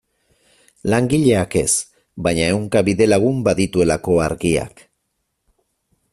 Langileak ez, baina ehunka bidelagun badituelako Argiak.